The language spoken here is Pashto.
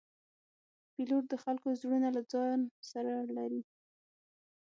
پیلوټ د خلکو زړونه له ځان سره لري.